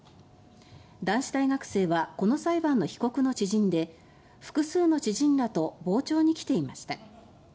男子大学生はこの裁判の被告の知人で複数の知人らと傍聴に来ていました。